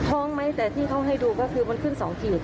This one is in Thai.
ท้องไหมแต่ที่เขาให้ดูก็คือมันขึ้น๒ขีด